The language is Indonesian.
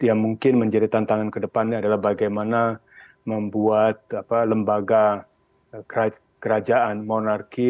yang mungkin menjadi tantangan kedepannya adalah bagaimana membuat lembaga kerajaan monarki